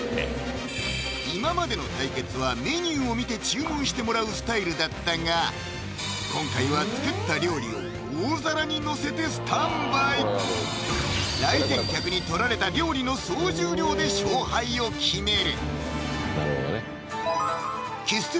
今までの対決はメニューを見て注文してもらうスタイルだったが今回は作った料理を大皿にのせてスタンバイ来店客に取られた料理の総重量で勝敗を決める